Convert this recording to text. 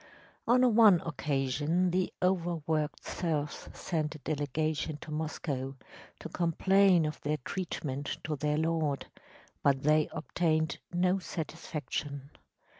On one occasion the overworked serfs sent a delegation to Moscow to complain of their treatment to their lord, but they obtained no satisfaction.